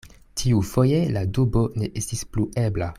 Tiufoje la dubo ne estis plu ebla.